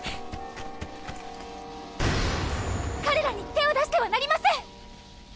彼らに手を出してはなりません。